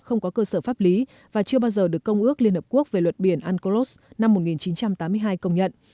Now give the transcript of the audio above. không có cơ sở pháp lý và chưa bao giờ được công ước liên hợp quốc về luật biển angolos năm một nghìn chín trăm tám mươi hai công nhận